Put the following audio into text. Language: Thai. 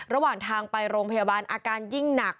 ระหว่างทางไปโรงพยาบาลอาการยิ่งหนัก